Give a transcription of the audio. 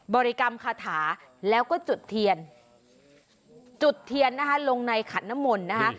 บริกรรมคาถาแล้วก็จุดเทียนจุดเทียนนะคะลงในขันน้ำมนต์นะคะ